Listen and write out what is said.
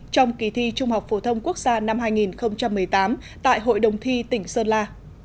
trong kỳ thi trung học phổ thông quốc gia năm hai nghìn một mươi tám tại hội đồng thi tỉnh sơn la